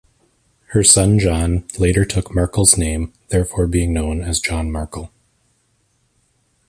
Her son, John, later took Markle's name, thereafter being known as John Markle.